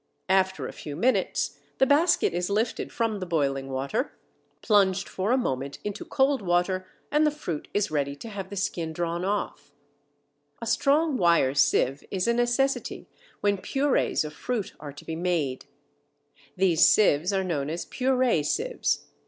After a few minutes the basket is lifted from the boiling water, plunged for a moment into cold water, and the fruit is ready to have the skin drawn off. [Illustration: FIG. 2. Wire sieve.] A strong wire sieve is a necessity when purées of fruit are to be made (fig. 2). These sieves are known as purée sieves.